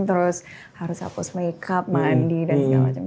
terus harus hapus makeup mandi dan segala macam